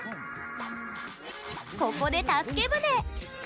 ここで助け船。